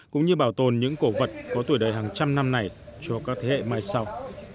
cũng như bảo tồn những cổ vật có tuổi đời hàng trăm năm này cho các thế hệ mai sau